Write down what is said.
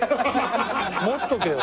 持っとけよ。